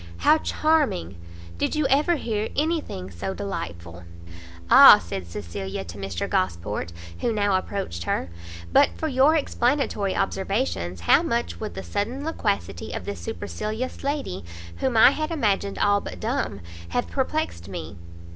how charming!" "Did you ever hear any thing so delightful? " "Ah," said Cecilia to Mr Gosport, who now approached her, "but for your explanatory observations, how much would the sudden loquacity of this supercilious lady, whom I had imagined all but dumb, have perplext me!"